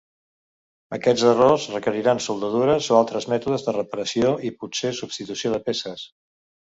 Aquests errors requeriran soldadures o altres mètodes de reparació i potser substitució de peces.